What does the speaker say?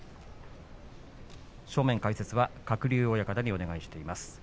正面解説は鶴竜親方にお願いしています。